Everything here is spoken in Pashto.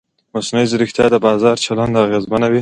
مصنوعي ځیرکتیا د بازار چلند اغېزمنوي.